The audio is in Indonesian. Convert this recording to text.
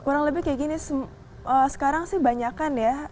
kurang lebih kayak gini sekarang sih banyak kan ya